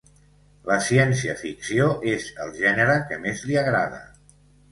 La ciència-ficció és el gènere que més li agrada.